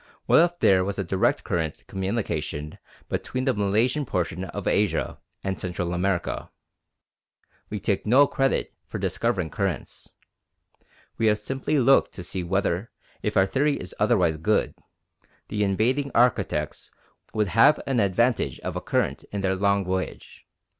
What if there was a direct current communication between the Malaysian portion of Asia and Central America? We take no credit for discovering currents. We have simply looked to see whether, if our theory is otherwise good, the invading architects would have an advantage of a current in their long voyage.